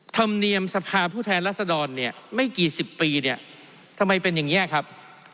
ธรรมเนียมสภาพผู้แทนรัศดรเนี่ยไม่กี่สิบปีเนี่ยทำไมเป็นอย่างนี้ครับ